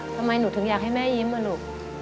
ทำไมหนูถึงอยากให้แม่ยิ้มอ่ะลูก